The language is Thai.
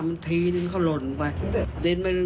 มันทีนึงก็หล่นไป